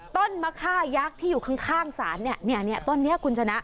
ต้นมะค่ายักษ์ที่อยู่ข้างศาลเนี่ยเนี่ยต้นนี้คุณชนะ